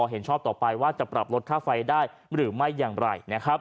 เห็นชอบต่อไปว่าจะปรับลดค่าไฟได้หรือไม่อย่างไรนะครับ